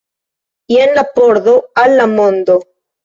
Jen la pordo al la mondo.